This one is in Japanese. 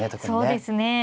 そうですね。